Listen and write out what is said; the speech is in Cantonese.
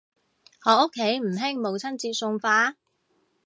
我屋企唔興母親節送花